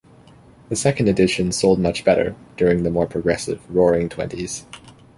The second edition sold much better, during the more progressive Roaring Twenties.